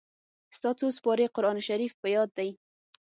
ستا څو سېپارې قرآن شريف په ياد دئ.